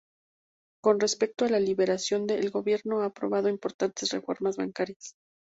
Con respecto a la liberalización el gobierno ha aprobado importantes reformas bancarias.